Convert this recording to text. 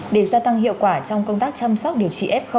để gia tăng hiệu quả trong công tác chăm sóc điều trị f